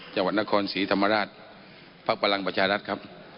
จังหวัดนครศรีธรรมราชภักดิ์พลังประชารัฐครับ